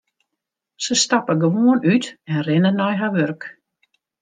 Se stappe gewoan út en rinne nei har wurk.